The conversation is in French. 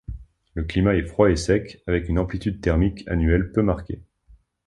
Le climat est froid et sec, avec une amplitude thermique annuelle peu marquée.